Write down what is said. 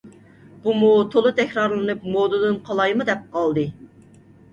بۇمۇ تولا تەكرارلىنىپ مودىدىن قالايمۇ دەپ قالدى.